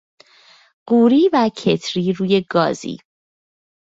قوری و کتری رو گازی